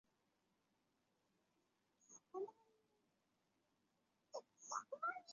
最终经典童星在登场后为最佳导演作颁奖嘉宾。